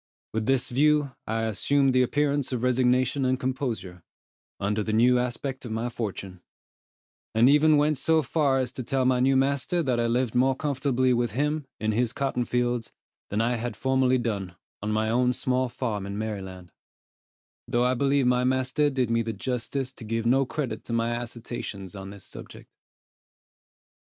With this view, I assumed the appearance of resignation and composure, under the new aspect of my fortune; and even went so far as to tell my new master that I lived more comfortably with him, in his cotton fields, than I had formerly done, on my own small farm in Maryland; though I believe my master did me the justice to give no credit to my assertions on this subject.